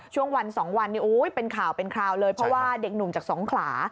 ช่วงวันสองวันเป็นข่าวเลยเพราะว่าเด็กหนุ่มจากสองขรา